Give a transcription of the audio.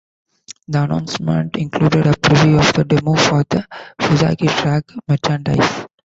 The announcement included a preview of the demo for the Fugazi track Merchandise.